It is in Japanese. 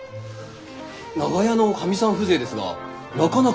長屋のかみさん風情ですがなかなかべっぴんで。